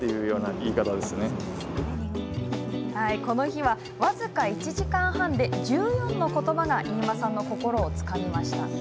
この日は、僅か１時間半で１４のことばが飯間さんの心をつかみました。